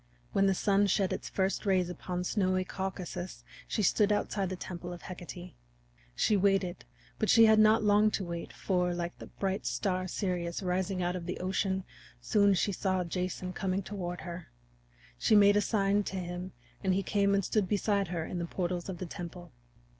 When the sun shed its first rays upon snowy Caucasus she stood outside the temple of Hecate. She waited, but she had not long to wait, for, like the bright star Sirius rising out of Ocean, soon she saw Jason coming toward her. She made a sign to him, and he came and stood beside her in the portals of the temple.